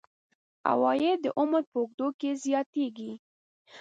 عواید د عمر په اوږدو کې زیاتیږي.